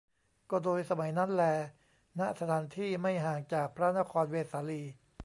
ก็โดยสมัยนั้นแล ณ สถานที่ไม่ห่างจากพระนครเวสาลี